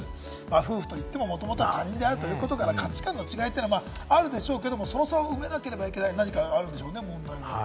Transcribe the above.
夫婦といっても、もともとは他人であるということから価値観の違いというのはね、あるでしょうけれども、その差を埋めなければいけない何かがあるんでしょうね、問題が。